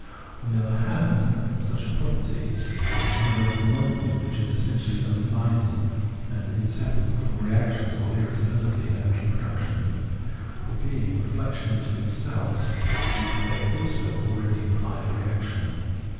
On the other hand, such a property is a universal moment, which is essentially undivided, and inseparable from reaction, or irritabihty, and reproduc tion. For, being reflection into self, it eo ipso already implies reaction.